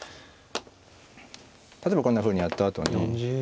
例えばこんなふうにやったあとに。